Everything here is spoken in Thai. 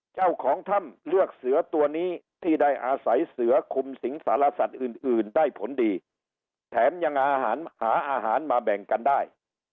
เจ้าของถ้ำเลือกเสือตัวนี้ที่ได้อาศัยเสือคุมสิงสารสัตว์อื่นได้ผลดีแถมยังอาหารหาอาหารมาแบ่งกันได้